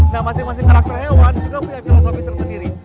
nah masing masing karakter hewan juga punya filosofi tersendiri